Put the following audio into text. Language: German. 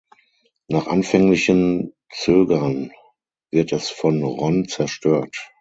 Nach anfänglichem Zögern wird es von Ron zerstört.